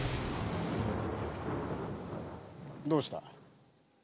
どうした？